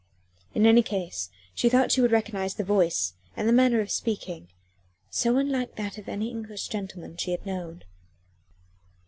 In any case she thought that she would recognise the voice and the manner of speaking, so unlike that of any English gentleman she had known.